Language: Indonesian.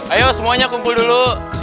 ayo semuanya kumpul dulu